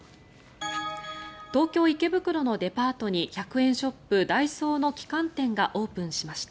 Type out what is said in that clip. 東京・池袋のデパートに１００円ショップ、ダイソーの旗艦店がオープンしました。